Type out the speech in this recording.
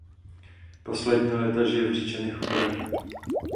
Poslední léta žije v Říčanech u Prahy.